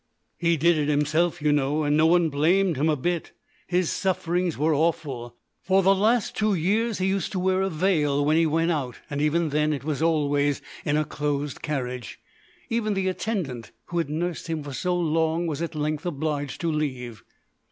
"He did it himself, you know, and no one blamed him a bit; his sufferings were awful. For the last two years he used to wear a veil when he went out, and even then it was always in a closed carriage. Even the attendant who had nursed him for so long was at length obliged to leave.